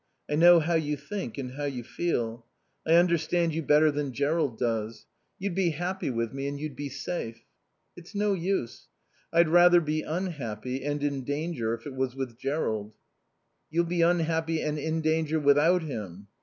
I know how you think and how you feel. I understand you better than Jerrold does. You'd be happy with me and you'd be safe." "It's no use. I'd rather be unhappy and in danger if it was with Jerrold." "You'll be unhappy and in danger without him."